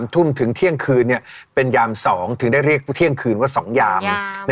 ทุ่มถึงเที่ยงคืนเป็นยาม๒ถึงได้เรียกเที่ยงคืนว่า๒ยาม